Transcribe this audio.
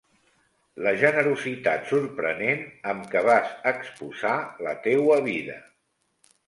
La generositat sorprenent amb què vas exposar la teua vida.